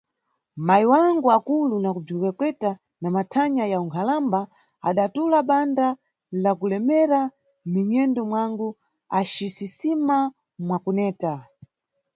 Mayi wangu akulu na kubzikwekweta na mathanya ya unkhalamba, adatula banda la kulemera mʼminyendo mwangu acisisima mwa kuneta.